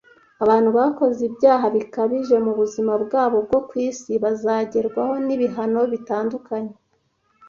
abantu bakoze ibyaha bikabije mu buzima bwabo bwo ku isi bazagerwaho n’ibihano bitandukanye